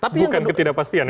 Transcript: bukan ketidakpastian ya